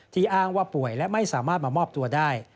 อ้างว่าป่วยและไม่สามารถมามอบตัวได้